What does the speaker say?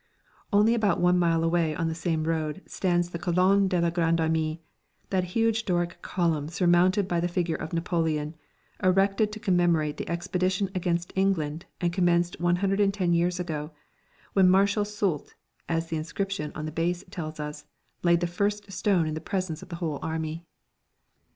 Only about one mile away on the same road stands the Colonne de la Grande Armée, that huge Doric column surmounted by the figure of Napoleon, erected to commemorate the expedition against England and commenced 110 years ago, when Marshal Soult (as the inscription on the base tells us) laid the first stone in the presence of the whole army.